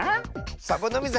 サボノミズ